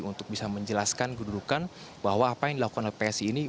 untuk bisa menjelaskan kedudukan bahwa apa yang dilakukan oleh psi ini